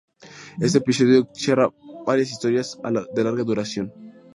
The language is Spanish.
Este episodio cierra varias historias de larga duración.